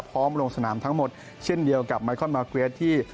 ลงสนามทั้งหมดเช่นเดียวกับไมคอนมาร์เกรสที่